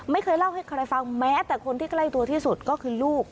ไม่เคยเล่าให้ใครฟังแม้แต่คนที่ใกล้ตัวที่สุดก็คือลูก